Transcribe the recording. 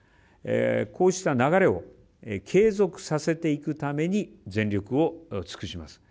こうした流れを継続させていくために全力を尽くします。